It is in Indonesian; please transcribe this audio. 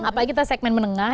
apalagi kita segmen menengah